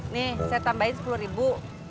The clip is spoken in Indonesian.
nih saya tambahin sepuluh ribu